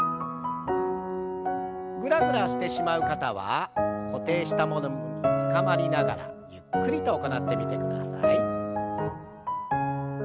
ぐらぐらしてしまう方は固定したものにつかまりながらゆっくりと行ってみてください。